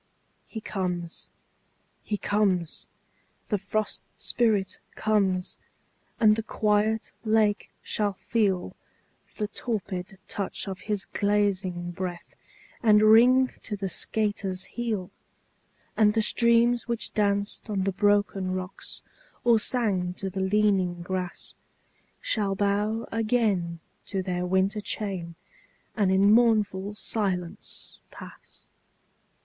He comes, he comes, the Frost Spirit comes and the quiet lake shall feel The torpid touch of his glazing breath, and ring to the skater's heel; And the streams which danced on the broken rocks, or sang to the leaning grass, Shall bow again to their winter chain, and in mournful silence pass.